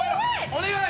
お願い！